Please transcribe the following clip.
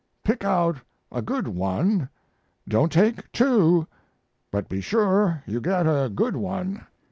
Pick out a good one. Don't take two, but be sure you get a good one."